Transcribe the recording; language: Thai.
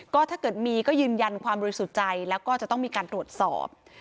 ก็ถ้าเกิดมีก็ยืนยันความบริสุทธิ์ใจแล้วก็จะต้องมีการตรวจสอบ